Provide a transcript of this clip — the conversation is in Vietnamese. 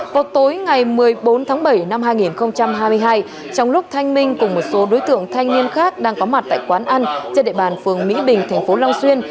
vào tối ngày một mươi bốn tháng bảy năm hai nghìn hai mươi hai trong lúc thanh minh cùng một số đối tượng thanh niên khác đang có mặt tại quán ăn trên địa bàn phường mỹ bình tp long xuyên